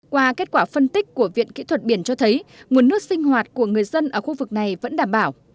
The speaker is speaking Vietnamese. qua kết quả phân tích của viện kỹ thuật biển cho thấy nguồn nước sinh hoạt của người dân ở khu vực này vẫn đảm bảo